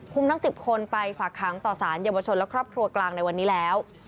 ทั้ง๑๐คนไปฝากค้างต่อสารเยาวชนและครอบครัวกลางในวันนี้แล้ว